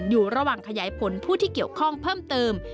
อยู่ระหว่างขยายผลผู้ที่เกี่ยวข้องเพิ่มเติม